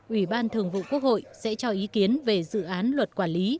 ủy ban thường vụ quốc hội sẽ cho ý kiến về dự án luật quản lý